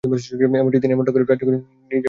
তিনি এমনটা করে রাজ্যকে নিজের অধীনে করতে চাইছিলেন।